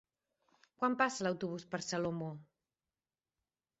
Quan passa l'autobús per Salomó?